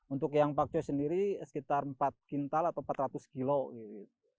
untuk yang pakcoy sendiri sekitar empat kintal atau empat ratus kilo gitu